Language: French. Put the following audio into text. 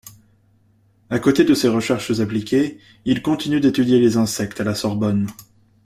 À côté de ses recherches appliquées, il continue d’étudier les insectes à la Sorbonne.